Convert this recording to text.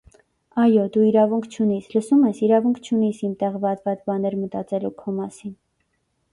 Այո՛, դու իրավունք չունիս, լսո՞ւմ ես, իրավունք չունիս, իմ տեղ վատ-վատ բաներ մտածելու քո մասին: